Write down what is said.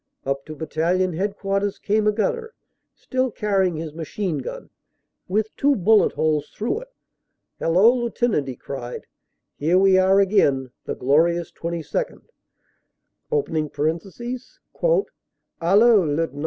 Up to bat talion headquarters came a gunner, still carrying his machine gun, with two bullet holes through it. "Hallo! Lieutenant," he cried. "Here we are again, the glorious 22nd.!" ("Hallo! Lieutenant.